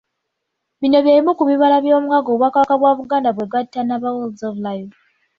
Bino bye bimu kubibala by'omukago Obwakabaka bwa Buganda bwe gwatta n'aba Wells of Life.